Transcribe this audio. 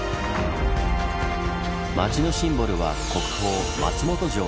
町のシンボルは国宝松本城。